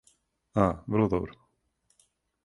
А, врло добро.